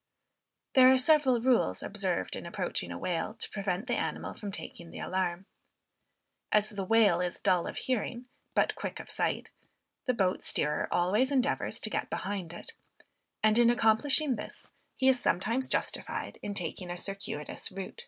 There are several rules observed in approaching a whale to prevent the animal from taking the alarm. As the whale is dull of hearing, but quick of sight, the boat steerer always endeavors to get behind it; and, in accomplishing this, he is sometimes justified in taking a circuitous rout.